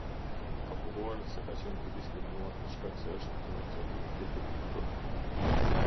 Ka pohuar se ka qenë i diskriminuar për shkak se është i nacionalitetit turk.